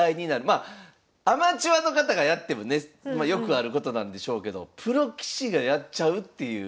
まあアマチュアの方がやってもねまあよくあることなんでしょうけどプロ棋士がやっちゃうっていう。